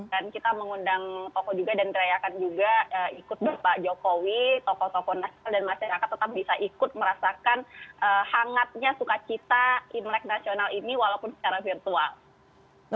dan kita mengundang toko juga dan karyakan juga eee ikut bapak jokowi toko toko nasional dan masyarakat tetap bisa ikut merasakan eee hangatnya suka cita imlek nasional ini walaupun secara virtual